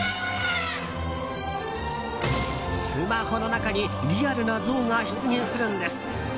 スマホの中にリアルなゾウが出現するんです。